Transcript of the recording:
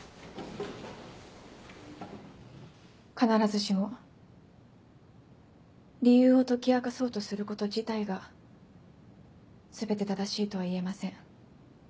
必ずしも理由を解き明かそうとすること自体が全て正しいとは言えません。